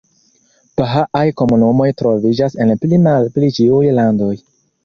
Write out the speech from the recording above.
Bahaaj komunumoj troviĝas en pli-malpli ĉiuj landoj.